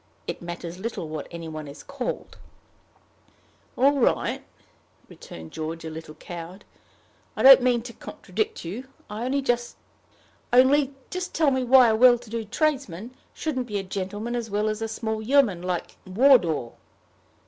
It matters little what any one is called." "All right," returned George, a little cowed; "I don't mean to contradict you. Only just tell me why a well to do tradesman shouldn't be a gentleman as well as a small yeoman like Wardour."